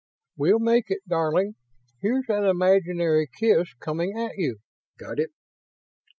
"We'll make it, darling. Here's an imaginary kiss coming at you. Got it?"